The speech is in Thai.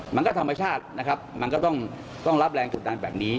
มันก็ธรรมชาตินะครับมันก็ต้องรับแรงกดดันแบบนี้